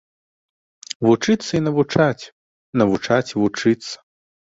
Вучыцца і навучаць, навучаць і вучыцца.